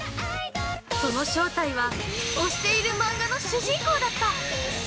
その正体は推している漫画の主人公だった。